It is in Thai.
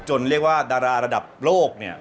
เรียกว่าดาราระดับโลกเนี่ย